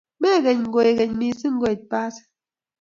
Makeny koekeny missing koit basit